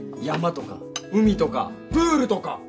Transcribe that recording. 山とか海とかプールとか。